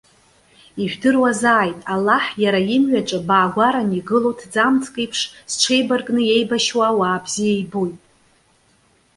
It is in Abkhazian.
Ижәдыруазааит, Аллаҳ, иара имҩаҿы, баагәараны игылоу ҭӡамцк еиԥш, зҽеибаркны иеибашьуа ауаа бзиа ибоит.